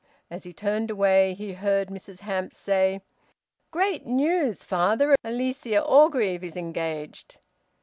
As he turned away he heard Mrs Hamps say "Great news, father! Alicia Orgreave is engaged!"